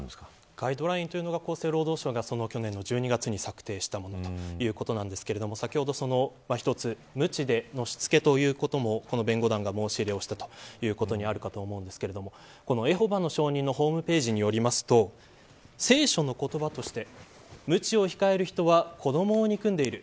ガイドラインは厚生労働省が去年の１２月に策定したものということなんですが先ほど一つむちでのしつけということもこの弁護団が申し入れをしたということになるかと思うんですがエホバの証人のホームページによると聖書の言葉としてむちを控える人は子どもを憎んでいる。